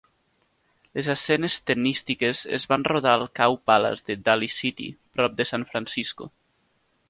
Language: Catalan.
Les escenes tennístiques es van rodar al Cow Palace de Daly City, prop de San Francisco.